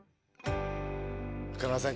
中村さん